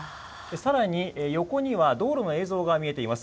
さらに、横には道路の映像が見えています。